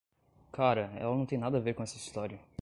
Cara, ela não tem nada a ver com essa história.